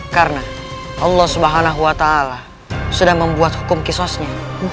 karena allah swt sudah membuat hukum kisosnya